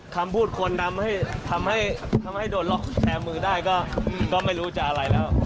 คำพูดคนทำให้โดนล็อกแชร์มือได้ก็ไม่รู้จะอะไรแล้ว